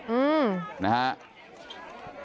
อืม